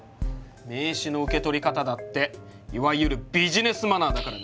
名刺の受け取り方だっていわゆるビジネスマナーだからね。